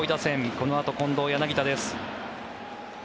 このあと近藤、柳田です。